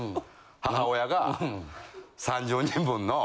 母親が３０人ぶんの。